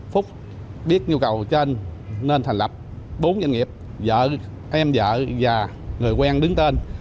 phúc biết nhu cầu cho nên thành lập bốn doanh nghiệp em vợ và người quen đứng tên